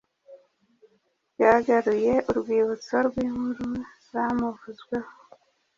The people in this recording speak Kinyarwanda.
ryagaruye urwibutso rw’inkuru zamuvuzweho